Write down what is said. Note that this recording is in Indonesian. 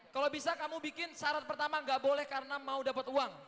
kalau bisa kamu bikin syarat pertama nggak boleh karena mau dapat uang